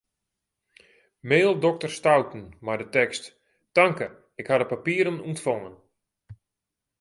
Mail dokter Stouten mei de tekst: Tanke, ik ha de papieren ûntfongen.